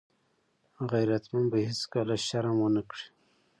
غیرتمند به هېڅکله شرم ونه کړي